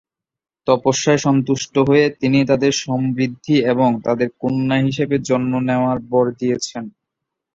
তপস্যায় সন্তুষ্ট হয়ে, তিনি তাদের সমৃদ্ধি এবং তাদের কন্যা হিসাবে জন্ম নেওয়ার বর দিয়েছেন।